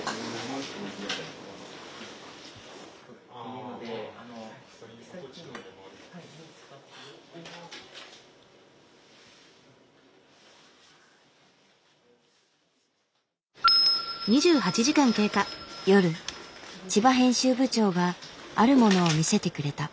夜千葉編集部長があるものを見せてくれた。